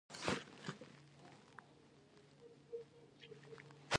څنګه کولی شم د ماشومانو لپاره د ژمی رخصتۍ پلان کړم